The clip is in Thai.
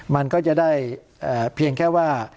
มันก็จะได้เพียงแค่ว่า